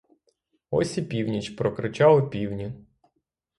Ось і північ, прокричали півні.